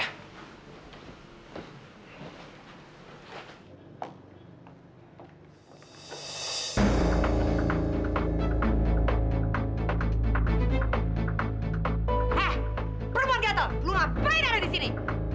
eh perempuan gatal lu ngapain ada di sini